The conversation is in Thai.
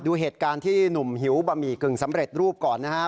ดูเหตุการณ์ที่หนุ่มหิวบะหมี่กึ่งสำเร็จรูปก่อนนะฮะ